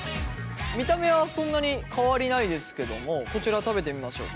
見た目はそんなに変わりないですけどもこちら食べてみましょうか。